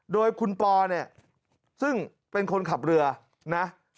โดยคุณปอเนี่ยซึ่งเป็นคนขับเรือนะ